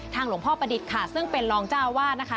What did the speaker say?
หลวงพ่อประดิษฐ์ค่ะซึ่งเป็นรองเจ้าอาวาสนะคะ